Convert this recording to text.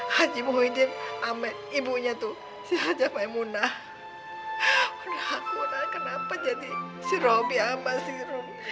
haji muhyiddin amat ibunya tuh si hajar maimunah kenapa jadi si robby sama si rum